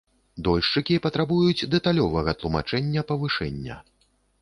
Дольшчыкі патрабуюць дэталёвага тлумачэння павышэння.